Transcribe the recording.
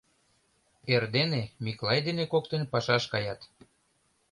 Эрдене Миклай дене коктын пашаш каят.